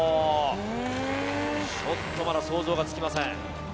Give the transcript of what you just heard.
ちょっとまだ想像ができません。